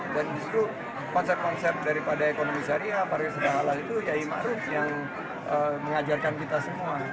dan disitu konsep konsep daripada ekonomi syariah para wisata halal itu kiai maruf yang mengajarkan kita semua